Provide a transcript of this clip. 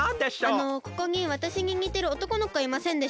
あのここにわたしににてるおとこのこいませんでした？